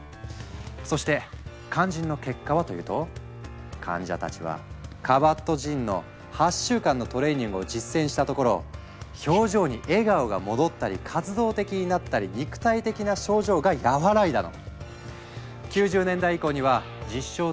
そして肝心の結果はというと患者たちはカバットジンの８週間のトレーニングを実践したところ表情に笑顔が戻ったり活動的になったり肉体的な症状が和らいだの！